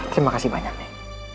terima kasih banyak nek